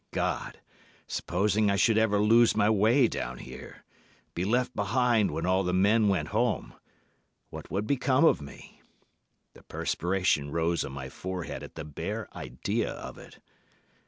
God, supposing I should ever lose my way down here—be left behind when all the men went home—what would become of me? The perspiration rose on my forehead at the bare idea of it.